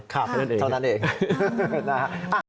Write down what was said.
ครับเท่านั้นเองนะครับ